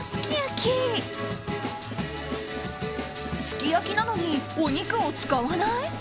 すき焼きなのにお肉を使わない？